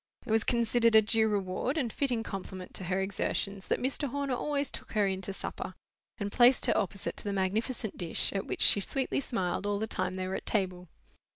It was considered a due reward and fitting compliment to her exertions that Mr. Horner always took her in to supper, and placed her opposite to the magnificent dish, at which she sweetly smiled all the time they were at table.